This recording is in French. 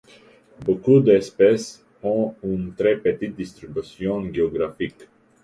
Beaucoup d'espèces ont une très petite distribution géographique.